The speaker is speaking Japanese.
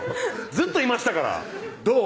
ずっといましたからどう？